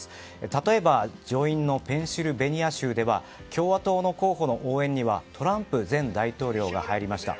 例えば上院のペンシルベニア州では共和党の候補の応援にはトランプ前大統領が入りました。